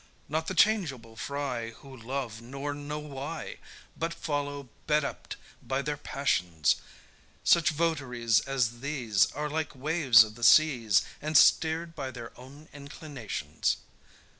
Not the changeable fry Who love, nor know why, But follow bedup'd by their passions: Such votaries as these Are like waves of the seas, And steer'd by their own inclinations.